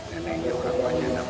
yang ini orang penyadap